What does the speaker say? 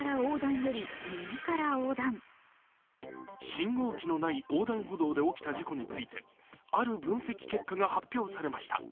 信号機のない横断歩道で起きた事故について、ある分析結果が発表されました。